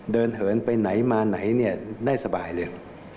เดินเหินไปไหนมาไหนได้สบายเลย